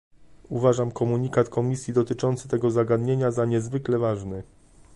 Uważam komunikat Komisji dotyczący tego zagadnienia za niezwykle ważny